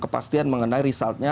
kepastian mengenai resultnya